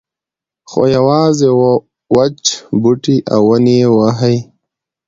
خو یوازې وچ بوټي او ونې یې وهي.